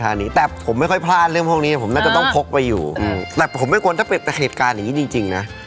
ป่าเนี้ยเต็มตัวแล้วลืมแล้วลงมารู้มากด้วยนะ